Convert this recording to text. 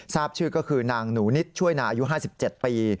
ทราบชื่อก็คือนางหนูนิดช่วยนาอายุ๕๗ปี